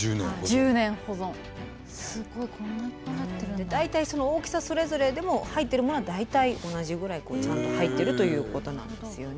で大体その大きさそれぞれでも入ってるものは大体同じぐらいちゃんと入ってるということなんですよね。